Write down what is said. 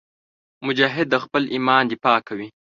مجاهد د خپل ایمان دفاع کوي.